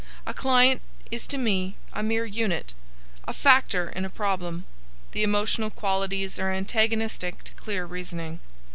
A client is to me a mere unit,—a factor in a problem. The emotional qualities are antagonistic to clear reasoning.